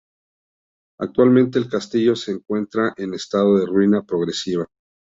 Actualmente el castillo se encuentra en estado de ruina progresiva.